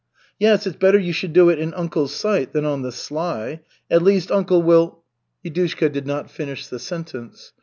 "Yes. It's better you should do it in uncle's sight than on the sly. At least, uncle will " Yudushka did not finish the sentence.